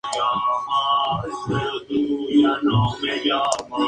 Las hojas con carnosas con los márgenes dentados y de color verde o rojizo.